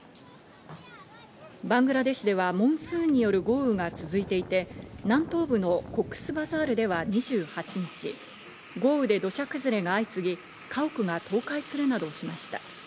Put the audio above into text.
バングラデシュではモンスーンによる豪雨が続いていて、南東部のコックスバザールでは２８日、豪雨で土砂崩れが相次ぎ、家屋が倒壊するなどしました。